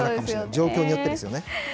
状況によってですよね。